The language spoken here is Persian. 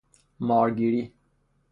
مار گیری